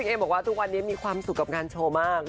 เอมบอกว่าทุกวันนี้มีความสุขกับงานโชว์มาก